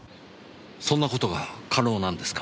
そんなことが可能なんですか？